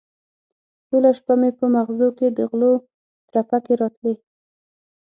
ټوله شپه مې په مغزو کې د غلو ترپکې راتلې.